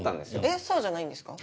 えっそうじゃないんですか？